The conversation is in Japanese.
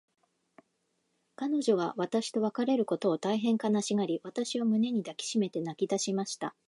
彼女は私と別れることを、大へん悲しがり、私を胸に抱きしめて泣きだしました。